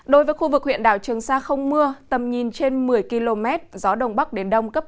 đối với khu vực huyện đảo trường sa không mưa tầm nhìn trên một mươi km gió đông bắc đến đông cấp bốn